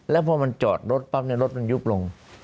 แล้วพอมันจอดรถปั๊บรถมันยุบลง